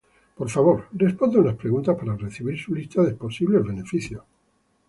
Por favor responda unas preguntas para recibir su lista de posibles beneficios.